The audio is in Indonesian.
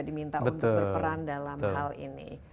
diminta untuk berperan dalam hal ini